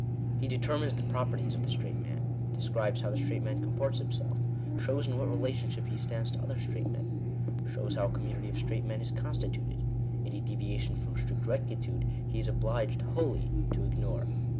He determines the properties of the straight man ; de scribes how the straight man comports himself; shows in what relationship he stands to other straight men; shows how a community of straight men is constituted. Any deviation from strict rectitude he is obliged wholly to ignore.